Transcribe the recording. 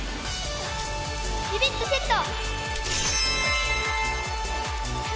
ビビッとセット！